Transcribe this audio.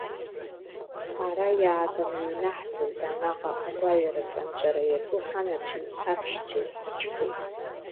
Ара иааган иҩнаҳҵоит анаҟа агәаҩараҿы анҵәара иаҿу ҳанацәеи, ҳаҳәшьцәеи, ҳхәыҷқәеи!